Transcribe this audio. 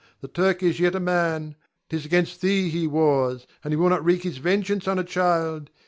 The Turk is yet a man; 'tis 'gainst thee he wars, and he will not wreak his vengeance on a child.